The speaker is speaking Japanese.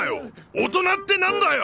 大人ってなんだよ！？